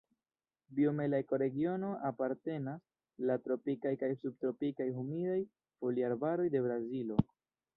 Biome la ekoregiono apartenas al tropikaj kaj subtropikaj humidaj foliarbaroj de Brazilo.